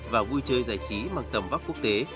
và vui chơi giải trí mang tầm vóc quốc tế